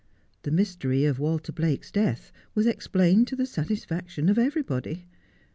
The mystery of Walter Blake's death was explained to the satisfaction of everybody.